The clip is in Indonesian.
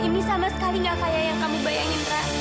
ini sama sekali gak kayak yang kamu bayangin ra